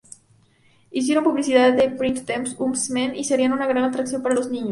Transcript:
Hicieron publicidad de Printemps Haussmann y serían una gran atracción para los niños.